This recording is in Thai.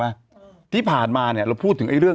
มันติดคุกออกไปออกมาได้สองเดือน